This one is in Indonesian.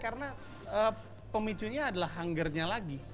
karena pemicunya adalah hungernya lagi